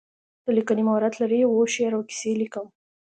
د لیکنې مهارت لرئ؟ هو، شعر او کیسې لیکم